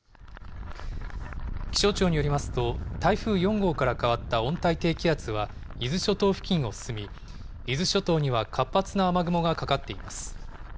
気象庁によりますと、台風４号から変わった温帯低気圧は、伊豆諸島付近を進み、伊豆諸島には活発な雨雲がかかっています。